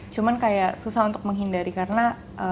cuman kayak susah untuk menghindari karena